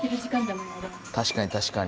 確かに確かに。